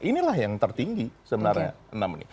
inilah yang tertinggi sebenarnya enam ini